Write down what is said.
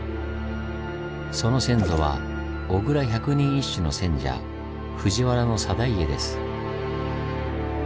その先祖は小倉百人一首の選者藤原定家です。